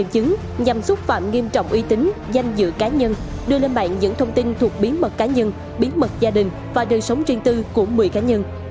đưa lên mạng những thông tin thuộc bí mật cá nhân bí mật gia đình và đường sống riêng tư của một mươi cá nhân